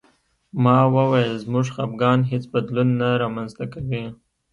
ما وویل زموږ خپګان هېڅ بدلون نه رامنځته کوي